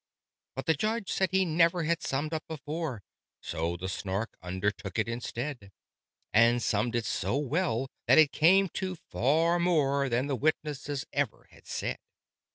But the Judge said he never had summed up before; So the Snark undertook it instead, And summed it so well that it came to far more Than the Witnesses ever had said!